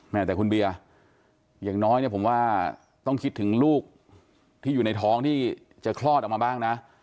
แต่คุณเบียร์อย่างน้อยเนี่ยผมว่าต้องคิดถึงลูกที่อยู่ในท้องที่จะคลอดออกมาบ้างนะ